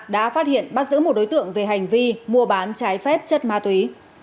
đã phát hiện bắt giữ một đối tượng về hành vi mua bán trái phép chất ma túy